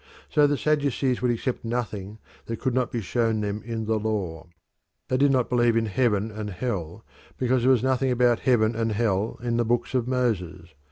so the Sadducees would accept nothing that could not be shown them in the law. They did not believe in heaven and hell because there was nothing about heaven and hell in the books of Moses.